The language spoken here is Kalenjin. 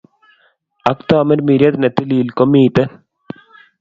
Ak Tamirmiriet ne Tilil ko miten